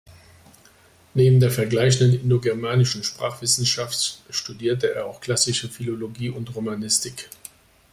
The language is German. Neben der Vergleichenden indogermanischen Sprachwissenschaft studierte er auch Klassische Philologie und Romanistik.